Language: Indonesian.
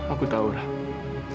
aku tau ratu